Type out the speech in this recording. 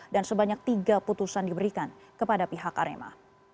dan sebanyak tiga putusan diberikan kepada pihak arema